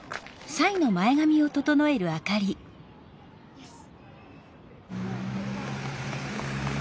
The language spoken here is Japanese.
よし！